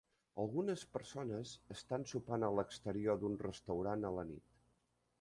Algunes persones estan sopant a l'exterior d'un restaurant a la nit.